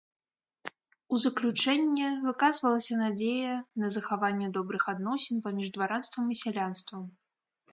У заключэнне выказвалася надзея на захаванне добрых адносін паміж дваранствам і сялянствам.